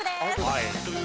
はい。